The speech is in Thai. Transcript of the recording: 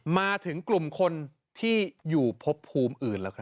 มาถึงกลุ่มคนที่อยู่พบภูมิอื่นแล้วครับ